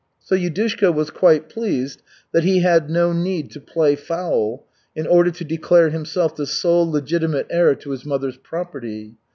So Yudushka was quite pleased that he had no need to play foul in order to declare himself the sole legitimate heir to his mother's property.